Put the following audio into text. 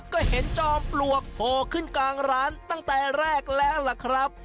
ก็เห็นจอมปลวกโผล่ขึ้นกลางร้านตั้งแต่แรกแล้วล่ะครับ